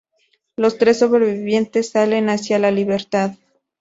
Los tres sobrevivientes salen hacia la libertad.